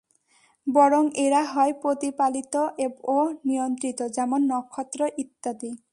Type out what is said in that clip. বরং এরা হয় প্রতিপালিত ও নিয়ন্ত্রিত যেমন নক্ষত্র ইত্যাদি।